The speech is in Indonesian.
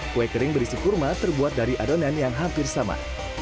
kue kering berisi kurma terbuat dari adonan yang hampir sama